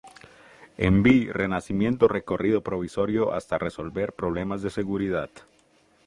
En B° Renacimiento recorrido provisorio hasta resolver problemas de seguridad.